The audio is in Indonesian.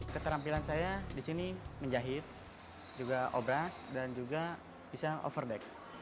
keterampilan saya di sini menjahit juga obras dan juga bisa overdeck